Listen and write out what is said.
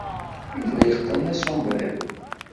Yuba yeqqen asombrero.